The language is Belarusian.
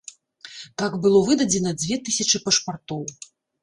Так было выдадзена дзве тысячы пашпартоў.